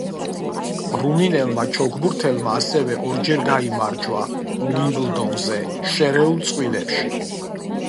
რუმინელმა ჩოგბურთელმა ასევე ორჯერ გაიმარჯვა უიმბლდონზე შერეულ წყვილებში.